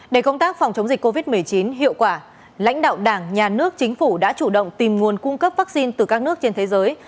để công tác phòng chống dịch covid một mươi chín hiệu quả lãnh đạo đảng nhà nước chính phủ đã chủ động tìm nguồn cung cấp vaccine từ các nước trên thế giới